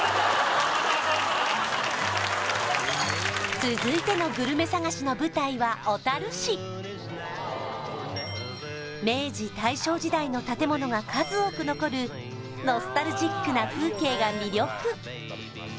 続いてのグルメ探しの舞台は明治大正時代の建物が数多く残るノスタルジックな風景が魅力